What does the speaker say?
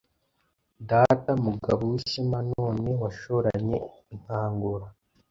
Data Mugabo w'ishema None washoranye inkangura